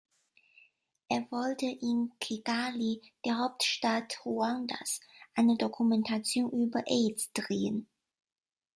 Er wollte in Kigali, der Hauptstadt Ruandas, eine Dokumentation über Aids drehen.